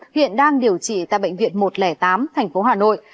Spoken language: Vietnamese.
hiện đang điều trị tại bệnh viện một trăm linh tám thành phố hà nội